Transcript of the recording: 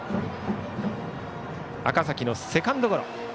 赤嵜のセカンドゴロ。